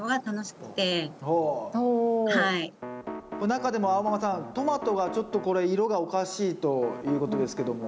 中でもあおママさんトマトがちょっとこれ色がおかしいということですけども。